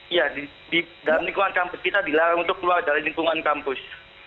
iya di dalam lingkungan kampus kita dilarang untuk keluar dari lingkungan kampus